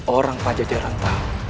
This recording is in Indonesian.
orang pajak jalan tahu